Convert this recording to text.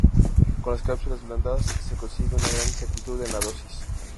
Con las cápsulas blandas se consigue una gran exactitud en la dosis.